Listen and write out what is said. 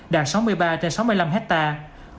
đạt sáu mươi ba trên sáu mươi năm hectare